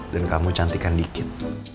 dan kamu cantikan dikit